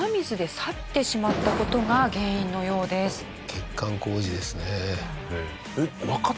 欠陥工事ですね。